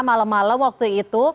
malam malam waktu itu